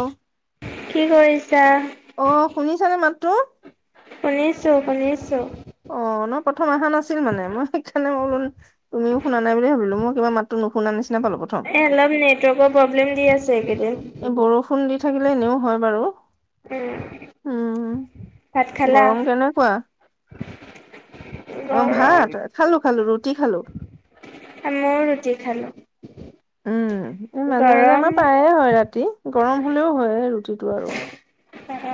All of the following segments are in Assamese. অ কি কৰিছা। অ শুনিছানে মাত তো শুনিছোঁ শুনিছোঁ। অ ন প্ৰথম অহা নাছিল মানে মই সেইকাৰণে মইলো তুমিও শুনা নাই বুলি ভাবিলো মই তোমাৰ মাততো নো এ অলপ নেটৱৰ্কৰ প্ৰব্লেম দি আছে এইকেইদিন ফোন দি থাকিলে এনেও হয় বাৰু- উম, উম ভাত খালা? গৰম কেনেকুৱা অ গৰম, ভাত খালো খালো ৰুটি খালো। মই ৰুটি খালো উম এ মাজে মাজে গৰম আমাৰ প্ৰায়ে হয় ৰাতি গৰম হলেও হয়। টো আৰু অ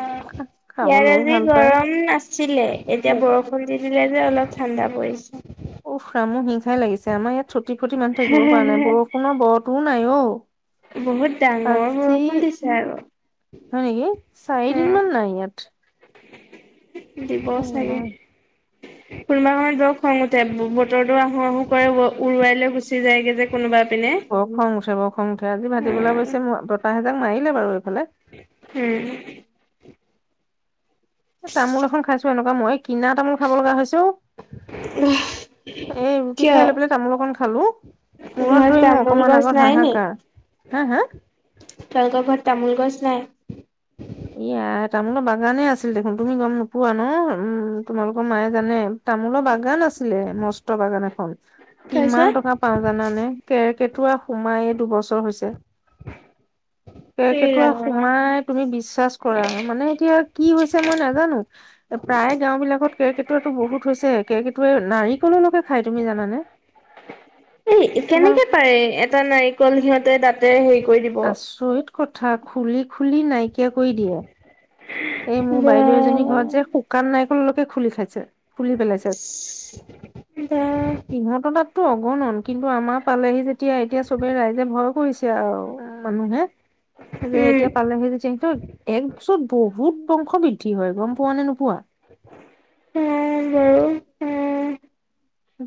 ইয়াত খাবলৈও আজি ভাল পায় গৰম নাছিলে এতিয়া বৰষুণ দি দিলে যে অলপ- ঠাণ্ডা পৰিছে। উামো হিংসাই লাগিছে আমাৰ ইয়াত চুটি ফটি মানুহ থাকিব পৰা নাই বৰষুণৰ বৰতোও নাই অ বহুত ডাঙৰ আজি বৰষুণ দিছে আৰু হয় নেকি অ', চাৰিদিনমান নাই ইয়াত দিব চাগে। কোনোবাখনত বক খং উঠে বতৰটো আহো আহো কৰে উৰুৱাই লৈ গুচি যায়গে যে কোনোবা। পিনে। ব খং উঠে ব খং উঠে আজি ভাতি পেলাই উম, অৱশ্যে বতাহেজাক মাৰিলে বাৰু এইফালে উম এ তামোল এখন খাইছো এনেকুৱা মই কিনা তামোল খাব লগা হৈছো এ ৰুটি কিয় খাই লৈ পেলাই তামোল অকণ খালো। মূৰত ঘৰত ধৰিমো তামোল অকমান গছ আগত নাই হাহাকাৰ হা হা। তইতৰ ঘৰত তামোল গছ নাই। এয়া তামোলৰ বাগানে আছিল দেখোন তুমি গম নোপোৱা ন উম তোমালোকৰ মায়ে জানে তামোলৰ বাগান আছিলে মস্ত বাগান এখন কিমান টকা তাৰপিছত পাও জানানে কেৰকেটোৱা সোমাই দুবছৰ হৈছে। এই কেৰকেটোৱা সোমাই ৰাম তুমি বিচ কৰা মানে এতিয়া কি হৈছে মই নাজানো এ প্ৰায় গাও বিলাকত কেৰ্কেটুৱাটো বহুত হৈছে তাকে সেইটোৱে নাৰিকললৈকে খাই তুমি জানা নে এ কেনেকে পাৰে এটা নাৰিকল সিহঁতে দাতে হেৰি কৰি দিব আচৰিত কথা খুলি খুলি নাইকিয়া কৰি দিয়ে এই মোৰ বা বাইদেউ এজনী ঘৰত যে শুকান নাইকললৈকে খুলি খাইছে ফুলি পেলাইছে বা সিহঁত তাত টো অগণন কিন্তু আমাৰ পালেহি যেতিয়া এতিয়া চবে ৰাইজে ভয় কৰিছে আৰু মানুহে [unintelligible] যে উম এতিয়া পালেহি যে সেইটোত একযুত বহুত বংশবিদ কি হয় গম পোৱা নে নোপোৱা অ বাৰু উম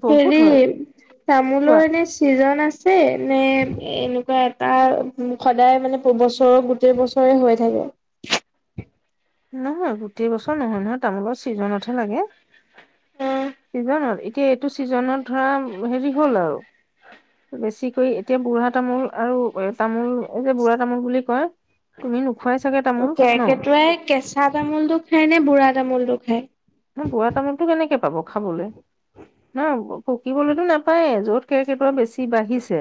বহুত হেৰি হয় কোৱা তামোলৰ এনে চিজন আছে নে এনেকুৱা এটা সদায় মানে বছৰ গোটেই বছৰে হৈ থাকে [inaudible] নহয় গোটেই বছৰ নহয় নহয় তামোলৰ ছিজনতহে লাগে চিজনত এতিয়া এইটো চিজনত ধৰা হেৰি হ'ল আৰু বেছিকৈ এতিয়া বুঢ়া তামোল আৰু তামোল যে বুঢ়া তামোল বুলি কয় তুমি নোখুৱাইছ [unintelligible] [unintelligible] কেৰকেটোৱাই কেঁচা তামোলটো খায় নে বুঢ়া তামোলটো খায় ন বুঢ়া তামোলতটো কেনেকে পাব খাবলে ন পকিবলৈতো নাপায়ে য'ত কেৰ্কেটুৱা বেছি বাঢ়িছে।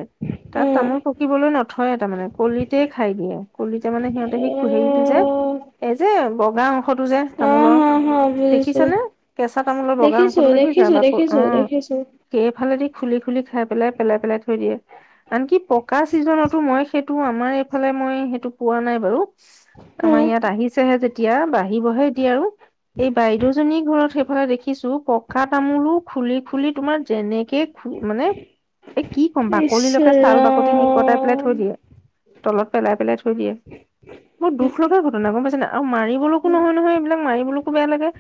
তাত তামোল খায় পকিবলৈ নথয় তাৰমানে কলিতে খাই দিয়ে কলিতে মানে অ', সিহঁতে সেই হেৰিটো যে অ', [unintelligible] এই যে বগা অংশতো যে হা, তামোলৰ হা, বুজিছো। দেখিছানে কেঁচা তামোলৰ বগা দেখিছো, অংশটো দেখিছা দেখিছো, বাপু দেখিছো, অ দেখিছো। হেফালে দি খুলি খুলি খাই পেলাই পেলাই পেলাই থৈ দিয়ে আনকি পকা চিজনতো মই সেইটো আমাৰ এইফালে মই সেইটো পোৱা নাই বাৰু [unintelligible] আমাৰ অ', ইয়াত আহিছেহে যেতিয়া বাঢ়িবহে এতিয়া আৰু এই বাইদেউজনীৰ ঘৰত সেইফালে দেখিছো পকা তামোলো খুলি খুলি তোমাৰ যেনেকে খ মান [unintelligible] এ কি ক'ম ইচ বাকলিলেকে ছাল বাকতি নিক পতাই পেলাই ৰাম। থৈ দিয়ে [unintelligible] তলত পেলাই পেলাই থৈ দিয়ে বহৰ দুখ লগা ঘটনা গম পাইছে না আৰু মাৰিবলৈকো নহয় নহয় এইবিলাক মাৰিবলৈকো বেয়া লাগে। [unintelligible]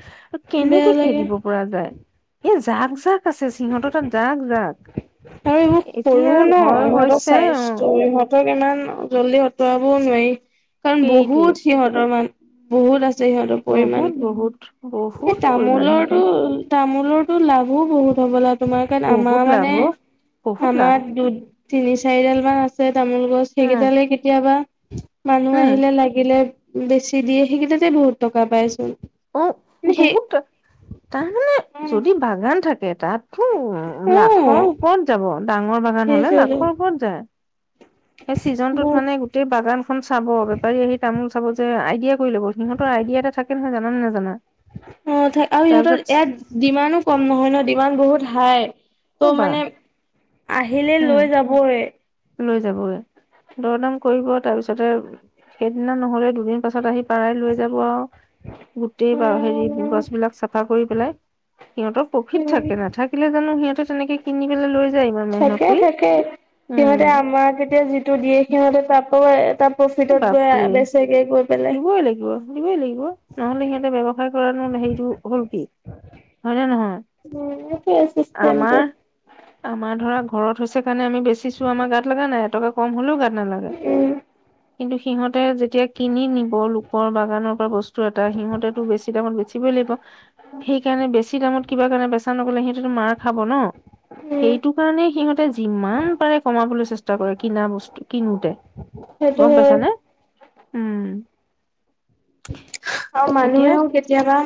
কেনেকে বেয়া লাগে। খেদিব পৰা যায় এই জাক জাক আছে সিহঁতৰ তাত জাগ জাগ আৰু এইবোৰ সৰু ন ইহঁতৰ হৈছে উম চাইজটো ইহঁতক ইমান জল্দি অতুয়াব [unintelligible] কবও নোৱাৰি কাৰণ সেইটোৱে বহুত সিহঁতৰ মান বহুত আচ পৰিমাণ বহুত কি বহুত বহুত এই পৰিমাণ সিহঁতৰ তামোলৰটো তামোলৰতো লাভো বহুত হ'ব ল তোমাৰ কাৰণ বহুত আমাৰ লাভ মানে অ বহুত লাভ আমাৰ দু তিনি চাৰিডাল মান আছে তামোল গছ উম সেইকেইডালে কেতিয়াবা [unintelligible] মানুহ উম আহিলে লাগিলে বেছি দিয়ে সেইকেইটাতে বহুত টকা পাইচোন [unintelligible] অ সেই বহুত তাৰ মানে যদি বাগান থাকে তাতো অ লাখৰ ওপৰত যাব। ডাঙৰ বাগান হ'লে সেইটোৱেটো লাখৰ ওপৰত যায়। সেই চিজনতটোত বহুত মানে গোটেই বাগানখন চাব বেপাৰী আহি তামোল চাব যে আইডিয়া কৰি লব' সিহঁতৰ আইডিয়া এটা থাকে নহয় জানা নে নাজানা অ থা আৰু ইহঁতৰ তাৰপিছত ইয়াত ডিমাণ্ড কম নহয় ন ডিমাণ্ড বহুত হাই অ ত' বা মানে আহিলে উম লৈ যাবই লৈ যাবগে দৰদাম কৰিব তাৰ পিছতে সেইদিনা নহলে দু [unintelligible] দুদিন পাছত আহি পাই লৈ যাব আউ গোটেই বা হেৰি উম গছবিলাক চাফা কৰি পেলাই সিহঁতৰ পফিত থাকে নাথাকিলে জানো সিহঁতে তেনেকে কিনি পেলাই লৈ যায় ইাৰ থাকে মেহনত থাকে কৰি। সিহঁতে উম। আমাক এতিয়া যিটো দিয়ে সিহঁতে তাকো এটা প্ৰফিটত গৈ বাপৰে বেচেগে গৈ। [unintelligible] দিবই লাগিব, দিবই লাগিব। নহলে সিহঁতে ব্যৱসায় কৰা হেৰিটো হল কি? হয়নে নহয়? উম চিষ্টেমটো আমাৰ, আমাৰ ধৰা ঘৰত হৈছে কাৰণে আমি বেচিছো আমাৰ গাত লগা নাই। এটকা কম হলেও গাত নালাগে। উম, কিন্তু সিহতে যে কিনি নিব লোকৰ বাগানৰ পৰা বস্তু এটা সিহঁতেটো বেছি দামত বেচিবই লাগিব। সেইকাৰণে বেছি দামত কিবা কাৰণে বেচা নগ'লে সিহতেতো মাৰ খাব ন! উম, সেইটো কাৰণে সিহঁতে যিমান পাৰে কমাবলৈ চেষ্টা কৰে কিনা বস্তু। কিনোতে। সেইটো গম পাইছা হয়। নে? অ এতিয়া মানুহেও কেতিয়াবা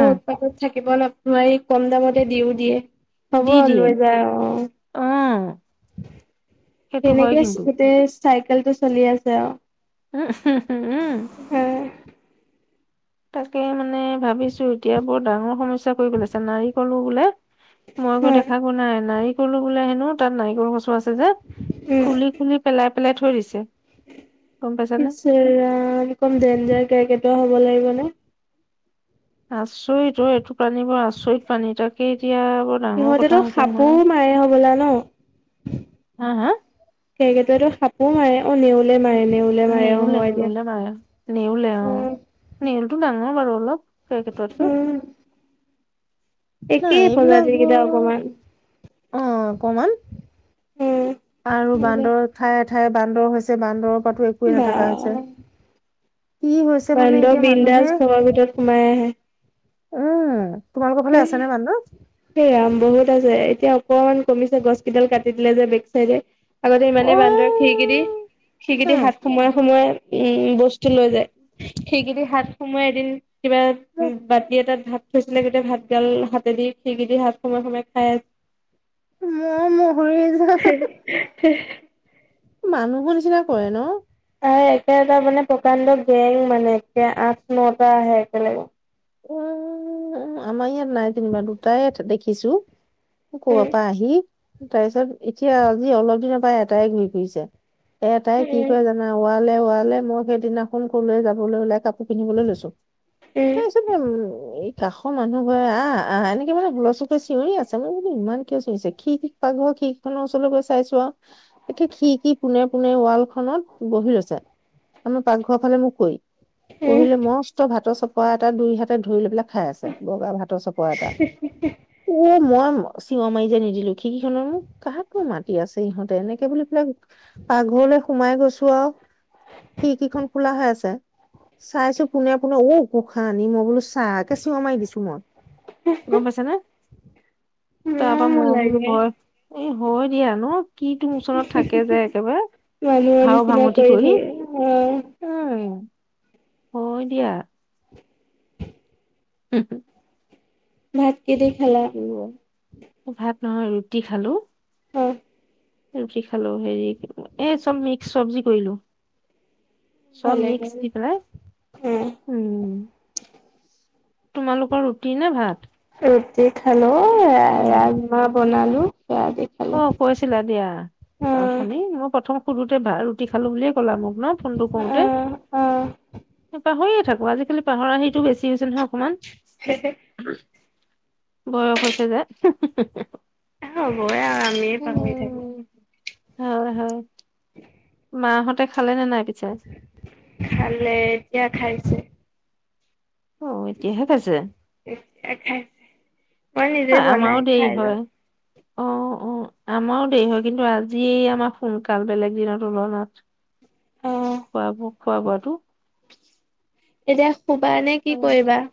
অ' উৎপাতত থাকে। কেৱল আপোনাৰ এই কম দামতে দিও দিয়ে। হ'ব দি দিয়ে লৈ যায় অ। অ' সেইটো হয় সেনেকেই কিন্তু। গোটেই চাইকেলটো চলি আছে আৰু। উম, উম। হুম, হা। তাকে মানে ভাবিছো এতিয়া বৰ ডাঙৰ সমস্যা কৰি পেলাইছে নাৰিকলো বোলে মই গৈ হয়, দেখা পোৱা নাই। নাৰিকলো বোলে হেনো, তাত নাৰিকল গছু আছে। যে খুলি-খুলি, পেলাই-পেলাই থৈ দিছে। গম পাইছানে? পিছে, ৰাম কম ডেঞ্জাৰ কেৰ্কেটুৱা হ'ব লাগিব নে। আচৰিত। অ, এইটো প্ৰানী বৰ আচৰিত পানী। তাকেই এতিয়া বৰ ডাঙৰ সিহঁতেতো কথা হৈছে সাপো নহয়। মাৰে হ'বলা ন? হা হা? কেৰ্কেটুৱাটো সাপো মাৰে। অ নেওলে মাৰে নেউলে মাৰে অ', নেউলে হয় দিয়া। -নেউলে মাৰে, নেউলে অ। উম, নেউলটো ডাঙৰ বাৰু অলপ। কেৰ্কেটুৱাতকে। উম, নাই একেই এইবিলাক প্ৰজাতিৰ কেইটা বৰ, অকমান। অ অকমান উম আৰু উম বান্দৰ ঠায়ে ঠায়ে বান্দৰ হৈছে বান্দৰৰ পৰাটো একোৱেই বা নাথাকা হৈছে। কি হৈছে মানে বান্দৰ এতিয়া বিন্দাজ মানুহে। ঘৰৰ ভিতৰত সোমাই আহে উম তোমালোকৰ ফালে সেই, আছে নে বান্দৰ? সেয়া বহুত আছে এতিয়া অকমান কমিছে গছ কেইডাল কাটি দিলে যে বেক চাইডে। আগতে অ ইমানেই বান্দৰ খিৰিকিদি, অ ম খিৰিকিদি হাত সোমোৱাই সোমোৱাই উম, বস্তু লৈ যায়। খিৰিকিদি হাত সোমায় এদিন কিবা বাতি এটাত ভাত থৈছিলে, গোটেই ভাত গাল হাতেদি খিৰকিদি হাত সোমায় সোমায় খাই মই মৰি যাম [unintelligible] মানুহবোৰ নিচিনা কৰে ন। আৰু একেটা মানে প্ৰকাণ্ড গেং মানে একে, আঠ-নটা আহে একেলগে। উম উম, আমাৰ ইয়াত নাই যেনিবা দুটায়ে দেখিছো। কবাৰ উম পৰা আহি, তাৰপিছত এতিয়া আজি অলপ দিনৰ পৰা এটাই ঘূৰি ফুৰিছে। এটাই কি উম কৰে জানা? ওৱালে ওৱালে মই সেইদিনাখন কলৈ যাবলৈ ওলাই কাপ পিন্ধিবলৈ লৈছো। তা [unintelligible] এই কাষৰ মানুহ ঘৰে আহ আহ, এনেকে মানে হুলস্থূল কৰি চিঞৰি আছে। মই বোলো ইমান কিয় চিঞৰিছে। খিৰিকী পা ঘৰ খিৰিকি ওচৰলৈ গৈ চাইছো আউ। এ খিৰিকীৰ পোনে পোনে ৱাল খনত বহি লৈছে। আমাৰ পাকঘৰৰ ফালে মোখ কৰি। উম বহি লৈ মস্ত ভাতৰ চপৰা এটা দুই হাতে ধৰি লৈ পেলাই খাই আছে, বগা ভাতৰ চপৰা এটা। উৱ, মই চিঞৰ মাৰি যে নিদিলো। খিৰিকী খনৰ মোক কাকনো মাটি আছে ইহঁতে এনেকে বুলি পেলাই পাকঘৰলৈ সোমাই গৈছো। ও আৰু। খিৰিকীখন খোলা হৈ আছে। চাইছো পোনে পোনে ঔ উশাহ আনি মই বোলো চাহ একে চিঞৰ মাৰি দিছো মই। গম পাইছা নে? উ [unintelligible] তাৰ পৰা মই বোলো, ভয় এই হয় দিয়া ন কিটো মূচনত থাকে যে একেবাৰে। মানুহৰ ভাও নিচিনা ভাংগঠি কৰি থাকে অ উম হয় দিয়া [unintelligible] ভাত কি দি খালা? ভাত নহয় ৰুটি খালো। অ ৰুটি খালো হেৰি এই চব মিক্স চব্জি কৰিলো। চব ভালে মিক্স গল দি পেলাই অ উম। তোমালোকৰ ৰুটি নে ভাত। ৰুটি খালো ৰাজমাহ বনালো। সেয়া দি খালো অ কৈছিলা দিয়া। অ উঠনি, মই প্ৰথম সুধোতে ভ ৰুটি খালো বুলিয়ে কলা মোক ন ফোনটো অ কৰোতে। অ পাহৰিয়ে থাকো আজিকালি পাহৰা সিটো বেছি হৈছে নহয় অকমান। বয়স হৈছে যে। হ'বয় আৰু আমিয়ে পাহৰি থাকো। হয় হয়। মাহঁতে খালে নে নাই? পিছে? খালে এতিয়া খাইছে। অ এতিয়াহে খাইছে। এতিয়া খাইছে মই নিজে হয় আমাৰো বনাই দেৰি খাই হয়। লওঁ অ অ, আমাৰো দেৰি হয় কিন্তু আজি আমাৰ সোনকাল বেলেগ দিনত তুলনাত। উম। খোৱা বোৱা খোৱা বোৱাটো। এতিয়া শুবা নে কি কৰিবা?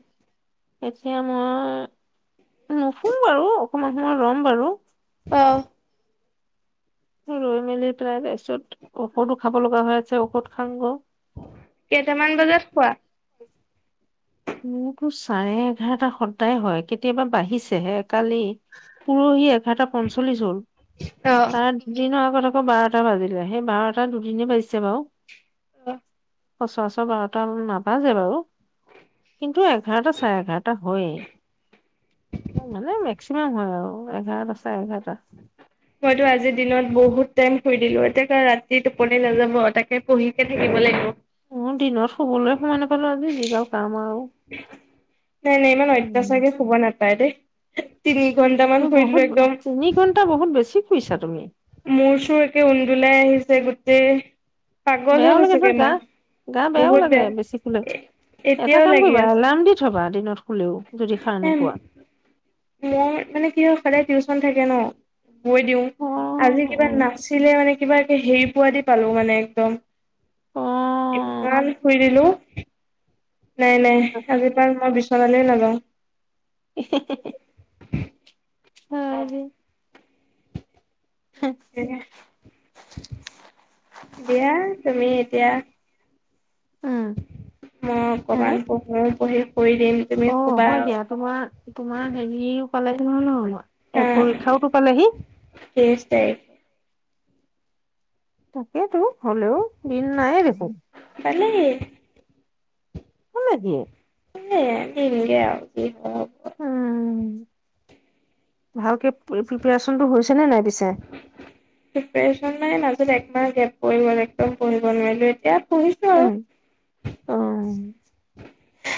এতিয়া মই নুশু বাৰু অকমান সময় ৰম বাৰু। অঁ। ৰৈ মেলি পেলায় তায় তাৰপিছত ঔষধো খাব লগা হৈ আছে ঔষধ খাং ক। কেইটামান বজাত খোৱা। মোৰো চাৰে এঘাৰটা সদায় হয়, কেতিয়াবা বাঢ়িছেহে। কালি পৰহি এঘাৰটা পঞ্চল্লিশ হল, অ তাৰে দুদিনৰ আগত আকৌ আকৌ বাৰটা বাজিলে সেই বাৰটা দুদিনে বাজিছে বাৰু। অঁ। পচৰাচৰ বাৰটা মান নাবাজে বাৰু। কিন্তু এঘাৰটা চাৰে এঘাৰটা হয়। মানে মেক্সিমাম হয় আৰু এঘাৰ দ। মইতো আজিৰ দিনত বহুত। তেহ শুই দিলো, এতিয়া ৰাতি টোপনি নাযাব তাকে পঢ়িকে থাকিব লাগিব। উ দিনত শুবলৈ সমানে পালো আজি যিগাও কাম আৰু। নাই নাই ইমান, উম অত্যাচাৰকে শুব নাপায় দেই। তিনি ঘন্টামান তুমি শুই দিলো বহুত একদম তিনি ঘন্টা বহুত বেছি শুইছা তুমি। মোৰ চোৰ একে উন্দোলাই আহিছে গোটেই। পাগল বেয়াও হৈ লাগে নহয় গৈছোগে গা মই গা বেয়াও বহুত লাগে বেয়া, এতিয়াও লাগে। এলাৰম দি থবা দিনত শুলেও যদি সাৰ নোপোৱা। মোৰ মানে কি হয় সদায় টিউচন থাকে ন। গৈ দিওঁ আজি কিবা নাছিলে মানে কিবাকে হেৰি পোৱা দি পালো মানে একদম ইমান শুই দিলো। নাই নাই আজি পৰা মই বিচনালেই নাযাওঁ। হয়। হে। দিয়া তুমি এতিয়া মই অকনমান পঢ়ো পঢ়ি শুই দিম তুমি অ শুবা হয় দিয়া তোমাৰ তোমাৰ হেৰিও পালেহি নহয় ন হা এই পৰীক্ষাওটো পালেহি তেইছ তাৰিখে তাকেইতো হ'লেও দিন নায়ে দেখোন পালেহি [unintelligible] এ নিমকে আৰু কি হক উ ভালকে প্ৰিপাৰচনতটো হৈছে নে নাই পিছে প্ৰিপিয়েচন মানে মাজত একমাহ গেপ পৰি গ'ল একদম পঢ়িব নোৱাৰিলো এতিয়া উম পঢ়িছে অ [unintelligible]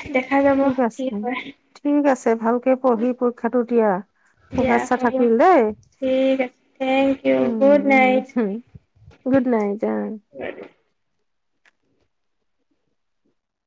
ঠিক কি আছে হয় ঠিক আছে ভালকে পঢ়ি পৰীক্ষাটো দিয়া দিয়া শুভেচ্ছা হ'ব থাকিল দেই ঠিক আছে thank you good um night উ গুড নাইট জান